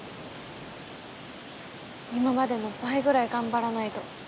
今までの倍ぐらい頑張らないと。